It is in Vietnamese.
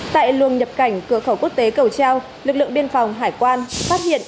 tại luồng nhập cảnh cửa khẩu quốc tế cầu treo lực lượng biên phòng hải quan phát hiện